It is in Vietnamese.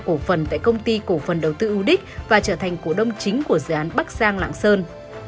cổ phần tại công ty cổ phần đầu tư udic và trở thành cổ đông chính của dự án bắc giang lạng sơn